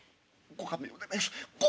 ご勘弁を願います。